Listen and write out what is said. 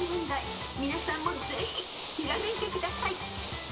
［皆さんもぜひひらめいてください］